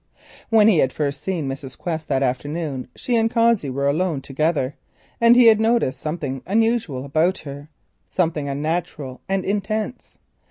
When he had first seen Mrs. Quest that afternoon she and Cossey were alone together, and he had noticed something unusual about her, something unnatural and intense.